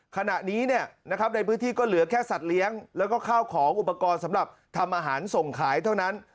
ขณะนี้ในพื้นที่ก็เหลือแค่สัตว์เลี้ยงแล้วก็ข้าวของอุปกรณ์สำหรับทำอาหารส่งขายเท่านั้น